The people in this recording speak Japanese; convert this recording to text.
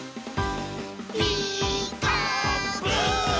「ピーカーブ！」